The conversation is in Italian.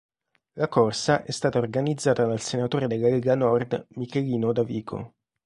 La corsa è stata organizzata dal senatore della Lega Nord Michelino Davico.